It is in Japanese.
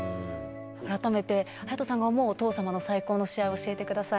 改めて颯人さんが思う、お父様の最高の試合を教えてください。